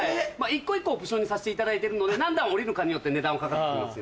一個一個オプションにさせていただいているので何段下りるかによって値段はかかって来ます。